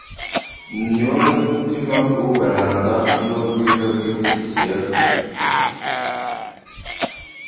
Ni wo mutima w'uburanga n'ubwiza bw'iki kiyaga.